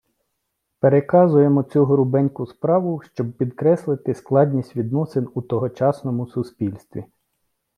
Переказуємо цю грубеньку справу, щоб підкреслити складність відносин у тогочасному суспільстві.